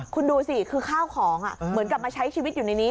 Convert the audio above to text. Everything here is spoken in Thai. คุณดูสิคือข้าวของเหมือนกับมาใช้ชีวิตอยู่ในนี้